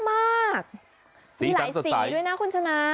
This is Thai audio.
มากมีหลายสีด้วยนะคุณชนะ